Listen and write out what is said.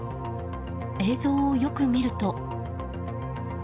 映像をよく見ると。